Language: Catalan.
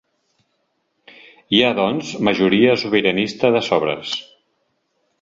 Hi ha, doncs, majoria sobiranista de sobres.